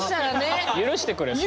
許してくれそう。